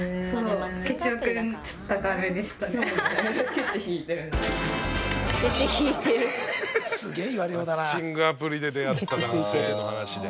マッチングアプリで出会った男性の話で。